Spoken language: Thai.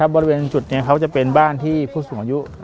บริเวณจุดนี้เขาจะเป็นบ้านที่ผู้สูงอายุ